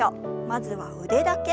まずは腕だけ。